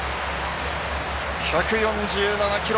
１４７キロ。